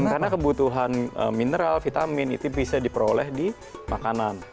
karena kebutuhan mineral vitamin itu bisa diperoleh di makanan